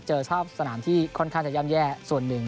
เจอสภาพสนามที่ค่อนข้างจะย่ำแย่ส่วนหนึ่ง